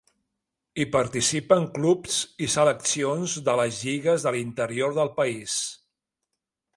Hi participen clubs i seleccions de les lligues de l'interior del país.